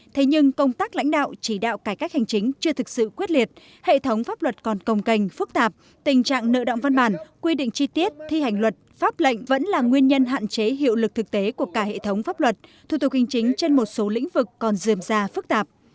thế nhưng công tác lãnh đạo chỉ đạo cải cách hành chính chưa thực sự quyết liệt hệ thống pháp luật còn công cành phức tạp tình trạng nợ động văn bản quy định chi tiết thi hành luật pháp lệnh vẫn là nguyên nhân hạn chế hiệu lực thực tế của cả hệ thống pháp luật thủ tục hành chính trên một số lĩnh vực còn dườm già phức tạp